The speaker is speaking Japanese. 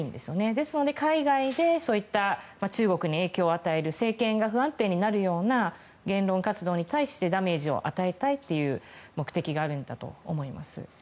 ですので海外で中国に影響を与える政権が不安定になるような言論活動に対してダメージを与えたいという目的があるんだと思います。